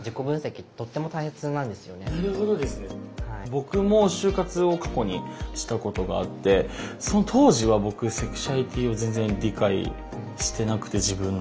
僕も就活を過去にしたことがあってその当時は僕セクシュアリティーを全然理解してなくて自分の。